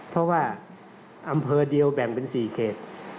เพราะว่าอำเภอเดียวแบ่งเป็น๔เขต